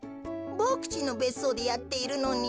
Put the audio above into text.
ボクちんのべっそうでやっているのに。